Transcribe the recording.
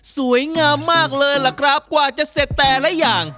สวยงามมากเลยล่ะครับกว่าจะเสร็จแต่ละอย่าง